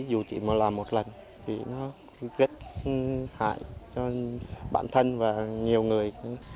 dù chỉ mà làm một lần thì nó hại cho bản thân và nhiều người